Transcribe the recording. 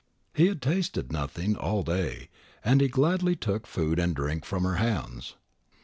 He had tasted nothing all day and he gladly took food and drink from her hands.